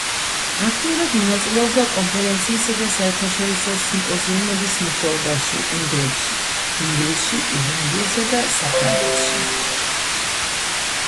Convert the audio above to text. აქტიურად მონაწილეობდა კონფერენციისა და საერთაშორისო სიმპოზიუმების მუშაობაში უნგრეთში, ინგლისში, ირლანდიასა და საფრანგეთში.